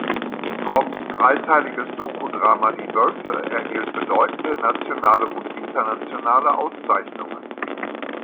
Fromms dreiteiliges Doku-Drama "Die Wölfe" erhielt bedeutende nationale und internationale Auszeichnungen.